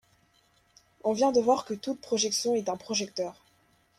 On vient de voir que toute projection est un projecteur.